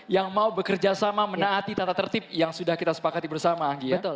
yang mau bekerjasama menaati tata tertib yang sudah kita sepakati bersama anggia